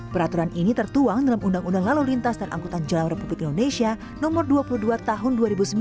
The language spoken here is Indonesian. peraturan ini tertuang dalam undang undang lalu lintas dan angkutan jalan republik indonesia no dua puluh dua tahun dua ribu sembilan